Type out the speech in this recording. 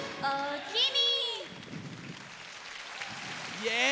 イエーイ！